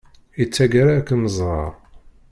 I taggara ad kem-ẓreɣ.